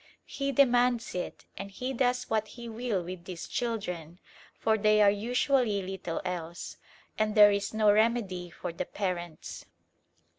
He demands it, and he does what he will with these children, for they are usually little else; and there is no remedy for the parents.